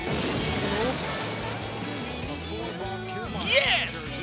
イエス！